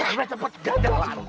jalan cepet jalan